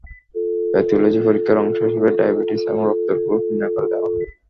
Pathology পরীক্ষার অংশ হিসেবে ডায়াবেটিস এবং রক্তের গ্রুপ নির্ণয় করে দেওয়া হয়।